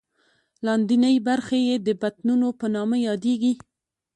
لاندینۍ برخې یې د بطنونو په نامه یادېږي.